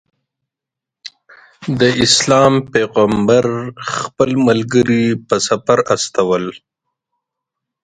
د اسلام پیغمبر خپل ملګري په سفر استول.